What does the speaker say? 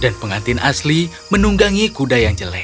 dan pengantin asli menunggangi kuda yang jelek